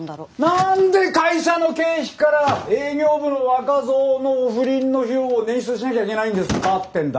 何で会社の経費から営業部の若造のお不倫の費用を捻出しなきゃいけないんですかってんだ。